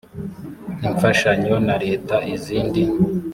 imfashanyo na leta izindi